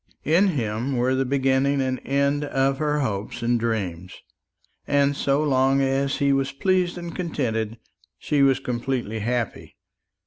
In him were the beginning and end of her hopes and dreams; and so long as he was pleased and contented, she was completely happy.